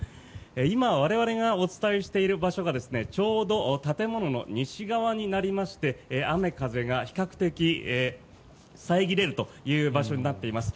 今、我々がお伝えしている場所がちょうど建物の西側になりまして雨風が比較的遮れるという場所になっています。